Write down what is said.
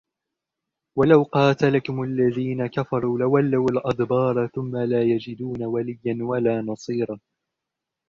ولو قاتلكم الذين كفروا لولوا الأدبار ثم لا يجدون وليا ولا نصيرا